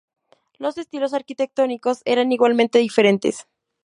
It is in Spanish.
Los estilos arquitectónicos eran igualmente diferentes.